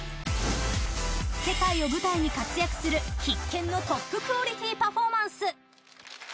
世界を舞台に活躍する必見のトップクオリティーパフォーマンス。